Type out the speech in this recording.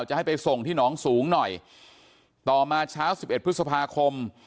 จะให้ไปส่งที่หนองสูงหน่อยต่อมาเช้าสิบเอ็ดพฤษภาคม